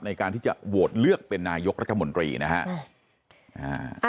ในการที่จะโหวตเลือกเป็นนายกรัฐมนตรีนะครับ